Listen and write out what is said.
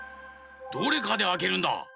どれかであけるんだ。